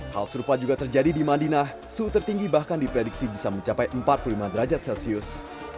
hal serupa juga terjadi di madinah suhu tertinggi bahkan diprediksi bisa mencapai empat puluh lima derajat celcius